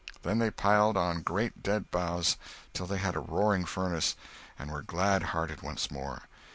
Then they piled on great dead boughs till they had a roaring furnace, and were gladhearted once more.